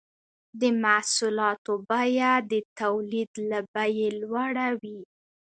د محصولاتو بیه د تولید له بیې لوړه وي